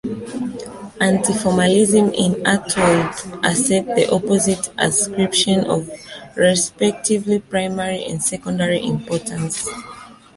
Anti-formalism in art would assert the opposite ascription of respectively primary and secondary importance.